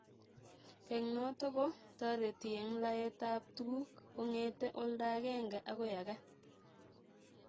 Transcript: eng' notok ko tareti eng' laet ab tuguk kongetee olda agenge akoi age